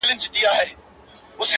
o نه لري هيـڅ نــنــــگ.